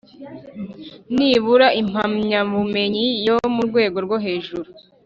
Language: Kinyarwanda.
nibura impamyabumenyi yo mu rwego rwo hejuru